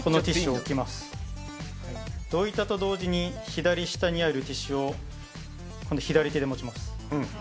置いたと同時に左下にあるティッシュを左手で持ちます。